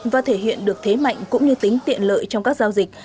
và thể hiện được thế mạnh cũng như tính tiện lợi trong các giao dịch